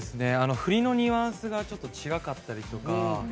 振りのニュアンスがちょっと違うとか。